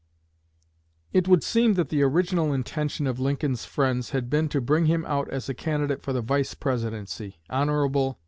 It would seem that the original intention of Lincoln's friends had been to bring him out as a candidate for the Vice Presidency. Hon.